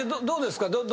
どうですか？